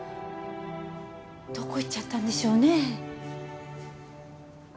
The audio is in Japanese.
どこ行っちゃったんでしょうね。